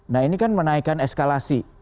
nah ini kan menaikkan eskalasi